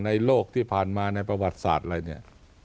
ในโลกที่ผ่านมาในประวัติศาสตร์อะไรเนี่ย